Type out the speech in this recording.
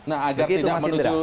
begitu mas indra